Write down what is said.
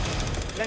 何？